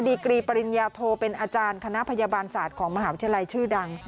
กรีปริญญาโทเป็นอาจารย์คณะพยาบาลศาสตร์ของมหาวิทยาลัยชื่อดัง